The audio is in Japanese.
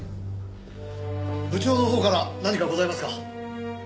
部長のほうから何かございますか？